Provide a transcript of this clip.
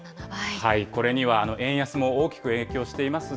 これには円安も大きく影響しています。